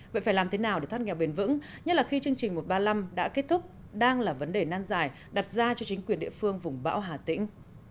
vậy phải làm thế nào để thoát nghèo bền vững nhất là khi chương trình một trăm ba mươi năm đã kết thúc đang là vấn đề nan dài đặt ra cho chính quyền địa phương vùng bão hà tĩnh